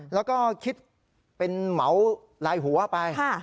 แล้วก็คิดเป็นเหมาลายหัวไป